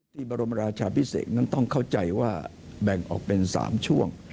บรมราชาพิเศษนั้นต้องเข้าใจว่าแบ่งออกเป็น๓ช่วง